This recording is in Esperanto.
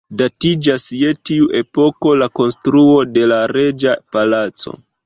Datiĝas je tiu epoko la konstruo de la “reĝa Palaco”.